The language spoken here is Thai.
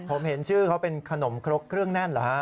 ผมเห็นชื่อเขาเป็นขนมครกเครื่องแน่นเหรอฮะ